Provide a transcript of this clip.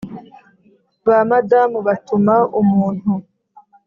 Ba Madamu batuma umuntu: